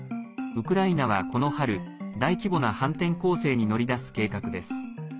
ウクライナは、この春大規模な反転攻勢に乗り出す計画です。